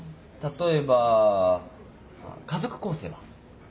例えば家族構成は？